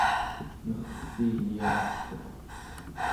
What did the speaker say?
nerrsiyaagtuq